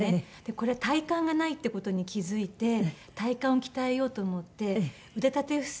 これ体幹がないっていう事に気付いて体幹を鍛えようと思って腕立て伏せ